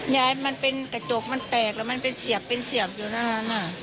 มันเป็นกระจกมันแตกแล้วมันเป็นเสียบเป็นเสียบอยู่หน้านั้น